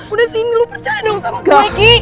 udah sini lo percaya dong sama gue ki